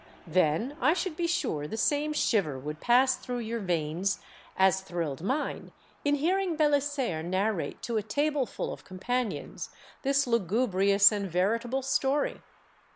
Then I should be sure the same shiver would pass through your veins as thrilled mine in hearing Belisaire narrate to a tableful of companions this lugubrious and veritable story.